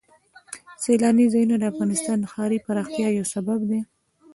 سیلاني ځایونه د افغانستان د ښاري پراختیا یو سبب دی.